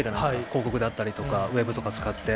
広告だったりとか、ウェブとか使って。